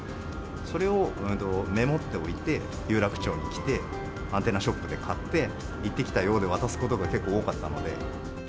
それをメモっておいて、有楽町に来て、アンテナショップで買って、行ってきたよで渡すことが結構多かったので。